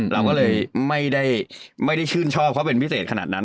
เราก็เลยไม่ได้ชื่นชอบเขาเป็นพิเศษขนาดนั้น